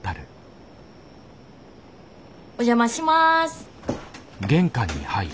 お邪魔します。